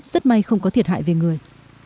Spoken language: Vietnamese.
rất may không có thiệt hại về người